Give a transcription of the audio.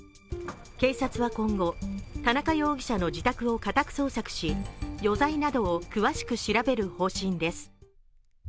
警察は今後、田中容疑者の自宅を家宅捜索し余罪などを詳しく調べる方針です。